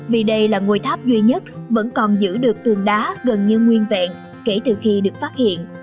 vì đây là ngôi tháp duy nhất vẫn còn giữ được tường đá gần như nguyên vẹn kể từ khi được phát hiện